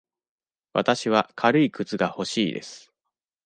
わたしは軽い靴が欲しいです。